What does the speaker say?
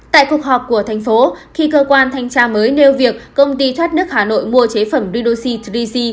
tại cuộc họp của tp khi cơ quan thanh tra mới nêu việc công ty thoát nước hà nội mua chế phẩm redoxy ba c